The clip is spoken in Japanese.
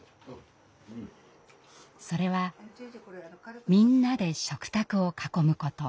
それはみんなで食卓を囲むこと。